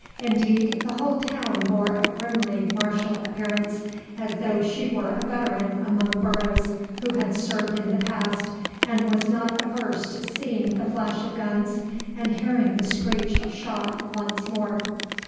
Indeed, the whole town bore a grimly martial appearance, as though she were a veteran among boroughs who had served in the past, and was not averse to seeing the flash of guns and hearing the screech of shot once more.